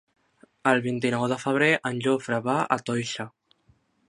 El vint-i-nou de febrer en Jofre va a Toixa.